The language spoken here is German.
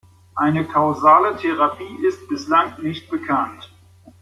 Eine kausale Therapie ist bislang nicht bekannt.